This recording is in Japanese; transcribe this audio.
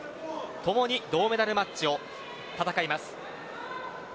ともに銅メダルマッチを戦います。